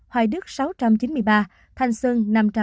hoài đức sáu trăm chín mươi ba thanh sơn năm trăm sáu mươi hai